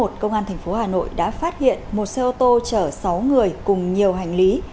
tổ công tác một trăm bốn mươi một công an tp hcm đã phát hiện một xe ô tô chở sáu người cùng nhiều hành lý